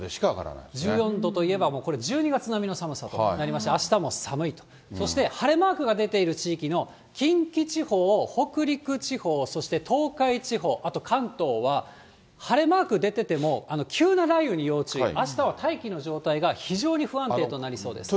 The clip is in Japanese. １４度といえば、これ、もう１２月並みの寒さとなりまして、あしたも寒いと、そして晴れマークが出ている地域の近畿地方、北陸地方、そして東海地方、あと関東は、晴れマーク出てても、急な雷雨に要注意、あしたは大気の状態が非常に不安定となりそうです。